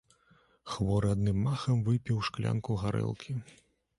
Хворы адным махам выпіў шклянку гарэлкі.